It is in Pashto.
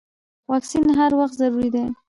واکسین هر وخت ضروري دی.